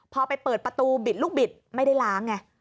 พอไปเปิดประตูบิดลูกบิดไม่ได้ล้างไง